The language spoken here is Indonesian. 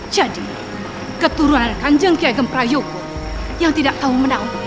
jadi keturunan kanjeng kiagam prayogu yang tidak tahu menang